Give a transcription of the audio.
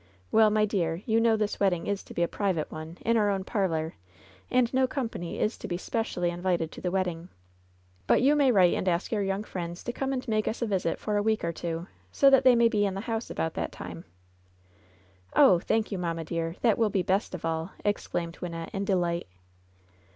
Well, my dear, you know this wedding is to be a private one, in our own parlor, and no company is to be specially invited to the wedding. But you may write and ask your young friends to come and make us a visit for a week or two, so that they may be in the house about that time," "Oh, thank you, mamma, dear! that will be best of all !" exclaimed Wynnette, in delight.